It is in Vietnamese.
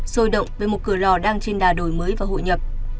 sôi động về một cửa lò đang trên đà đổi mới và hội nhập